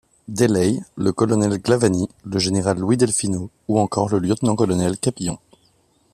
Delaye, le colonel Glavany, le général Louis Delfino ou encore le lieutenant-colonel Capillon.